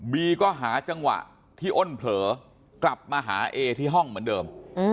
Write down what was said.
ก็หาจังหวะที่อ้นเผลอกลับมาหาเอที่ห้องเหมือนเดิม